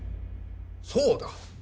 そうだ。